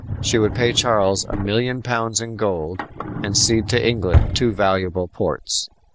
She would pay Charles a million pounds in gold and cede to England two valuable ports.